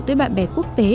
tới bạn bè quốc tế